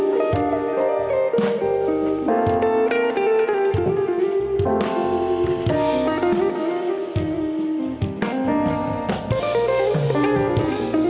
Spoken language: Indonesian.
terima kasih banyak ibu